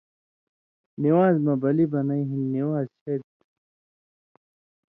نِوان٘ز مہ بلی بنَیں ہِن نِوان٘ز شریۡ تھُو۔